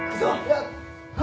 あっ。